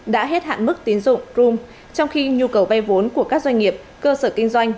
đã hết hạn mức tiến dụng crom trong khi nhu cầu vay vốn của các doanh nghiệp cơ sở kinh doanh